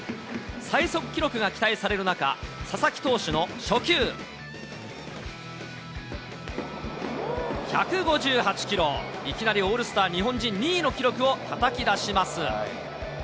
最速記録が期待される中、佐々木投手の初球。１５８キロ、いきなりオールスター日本人２位の記録をたたき出します。